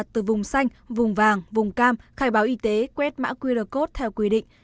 từ vùng xanh vùng vàng vùng cam khai báo y tế quét mã qr code theo quy định